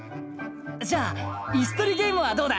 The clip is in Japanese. じゃあイスとりゲームはどうだ？